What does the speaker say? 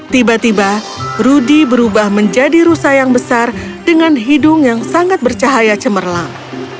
tiba tiba rudy berubah menjadi rusa yang besar dengan hidung yang sangat bercahaya cemerlang